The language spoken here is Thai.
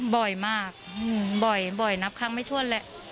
บ่อยมากบ่อยนับครั้งไม่ถ้วนแหละ